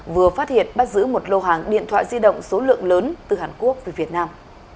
vừa phát hiện bắt giữ một lô hàng điện thoại di động số lượng lớn từ hàn quốc về việt nam